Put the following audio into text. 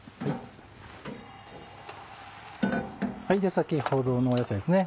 先ほどの野菜ですね